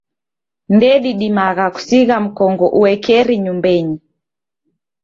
Ndedidimagha kusigha mkongo uekeri nyumbenyi.